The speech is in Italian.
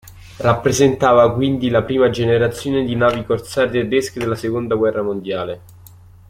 Rappresentava quindi la prima generazione di navi corsare tedesche della seconda guerra mondiale.